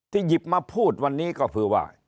หยิบมาพูดวันนี้ก็คือว่า